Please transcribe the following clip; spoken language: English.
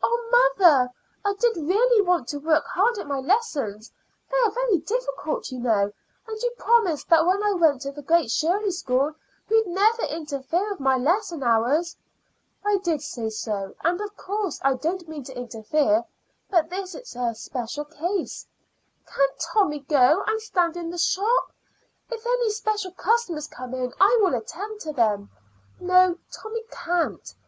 "Oh, mother, I did really want to work hard at my lessons. They are very difficult, you know, and you promised that when I went to the Great Shirley School you'd never interfere with my lesson hours." "I did say so, and of course I don't mean to interfere; but this is a special case." "Can't Tommy go and stand in the shop? If any special customers come in I will attend to them." "No, Tommy can't.